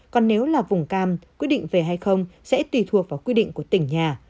còn nếu là vùng cam quyết định về hay không sẽ tùy thuộc vào quy định của tỉnh nhà